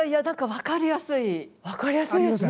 分かりやすいですね。